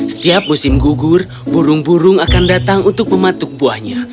setiap musim gugur burung burung akan datang untuk mematuk buahnya